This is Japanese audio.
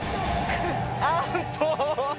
アウト。